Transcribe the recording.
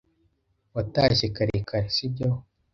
Watashye kare kare, sibyo?